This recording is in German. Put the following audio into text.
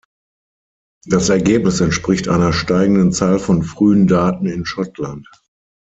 Das Ergebnis entspricht einer steigenden Zahl von frühen Daten in Schottland.